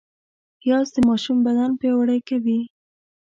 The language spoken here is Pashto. پیاز د ماشوم بدن پیاوړی کوي